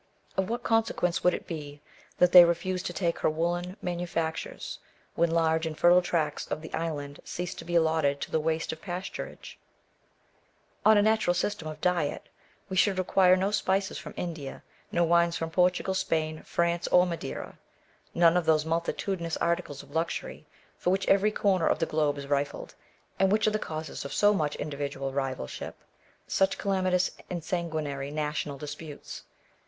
Of what consequence would it be that they refused* to take her woollen manufactures, when large and fertile tracts of the island ceased to be allotted to the waste of pasturage 1 On a natural system of diet, we should re quire no spices from India ; no wines from Portugal, Spain, France, or Madeira ; none of those multitudinous articles of luxury, for which every comer of the globe is rifled, and which are the causes of so much individual rivalship, such calamitous and sanguinary national disputes.